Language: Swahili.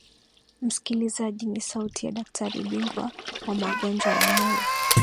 msikilizaji ni sauti ya daktari bingwa wa magonjwa ya moyo